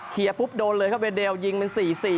เขียนปุ๊บโดนเลยเว็ดเดลยิงเป็น๔๔